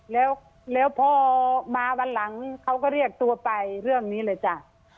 แล้วพอมาวันหลังเขาก็เรียกตัวไปเรื่องนี้เลยจ้ะ